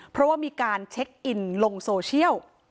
เพราะว่ามีการเช็คอินลงโซเชียล